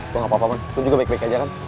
gue gapapa man lo juga baik baik aja kan